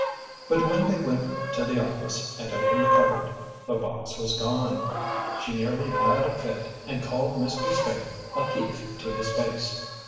But when they went to the office and opened the cupboard, the box was gone. She nearly had a fit and called Mr. Spaythe a thief to his face.